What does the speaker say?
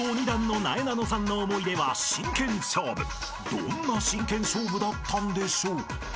［どんな真剣勝負だったんでしょう？］